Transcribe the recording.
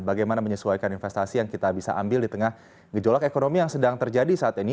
bagaimana menyesuaikan investasi yang kita bisa ambil di tengah gejolak ekonomi yang sedang terjadi saat ini